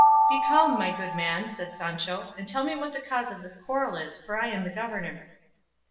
"Be calm, my good man," said Sancho, "and tell me what the cause of this quarrel is; for I am the governor."